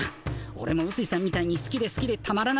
オレもうすいさんみたいにすきですきでたまらない